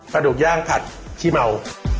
กระดูกย่างผัดขี้เมา